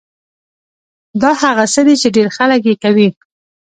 دا هغه څه دي چې ډېر خلک يې کوي.